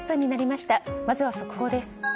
まずは速報です。